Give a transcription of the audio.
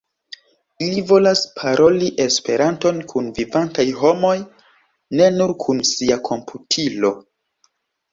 Ili volas paroli Esperanton kun vivantaj homoj, ne nur kun sia komputilo.